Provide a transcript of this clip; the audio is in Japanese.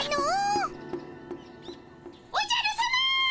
おじゃるさま！